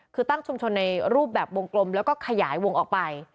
คือตั้งชุมชนในรูปแบบวงกลมแล้วก็ขยายวงออกไป